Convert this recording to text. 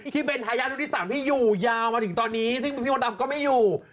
ที่เป็นฮายาโนติศัพท์ที่อยู่ยาวมาถึงตอนนี้ที่พิโมดัมก็ไม่อยู่